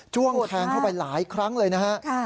้วงแทงเข้าไปหลายครั้งเลยนะฮะ